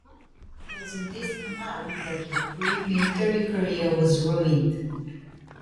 It was in this command that his brief military career was ruined.